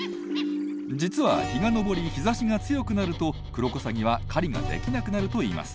実は日が昇り日ざしが強くなるとクロコサギは狩りができなくなるといいます。